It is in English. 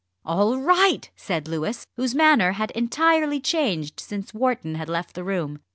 "All right!" said Louis, whose manner had entirely changed since Wharton had left the room.